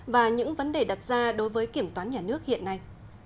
và những vấn đề đặt ra đối với kiểm toán nhà nước hiện nay